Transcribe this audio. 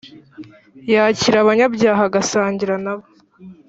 yakira abanyabyaha agasangira na bo